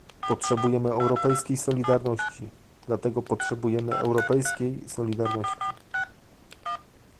potrzebujemy europejskiej solidarności, dlatego potrzebujemy europejskiej solidarności